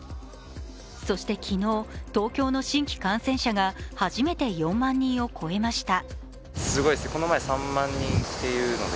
そして昨日、東京の新規感染者が初めて４万人を超えました。